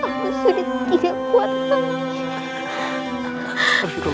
aku sudah tidak buat lagi